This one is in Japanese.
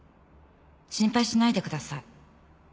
心配しないで下さい」